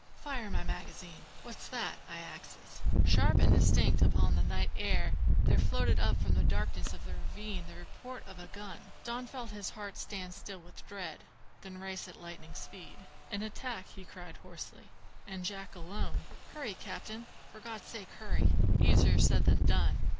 Fire my magazine! what's that? I axes." Sharp and distinct upon the night air there floated up from the darkness of the ravine the report of a gun. Don felt his heart stand still with dread, then race at lightning speed. "An attack!" he cried hoarsely; "and Jack alone! Hurry, captain! for God's sake hurry! Easier said than done.